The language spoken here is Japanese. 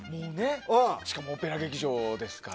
しかもオペラ劇場ですから。